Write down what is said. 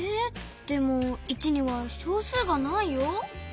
でも１には小数がないよ。